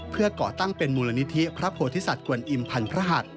เพื่อก่อตั้งเป็นมูลนิธิพระโพธิสัตว์กวนอิมพันพระหัส